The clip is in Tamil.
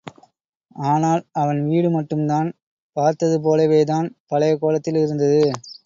ஆனால், அவன் வீடு மட்டும் தான் பார்த்தது போலவேதான் பழைய கோலத்தில் இருந்தது.